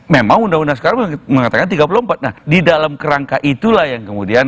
memang undang undang sekarang mengatakan tiga puluh empat nah di dalam kerangka itulah yang kemudian